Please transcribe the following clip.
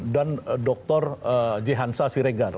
dan dr jehansa siregar